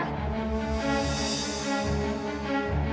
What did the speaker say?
kamila bukan andara